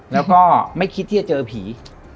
แล้วก็ไม่คิดที่จะเจอผี